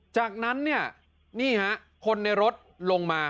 จากนั้นเนี่ยนี่ฮะคนในรถลงมา